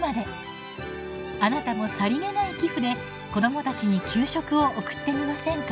あなたもさりげない寄付で子どもたちに給食を送ってみませんか。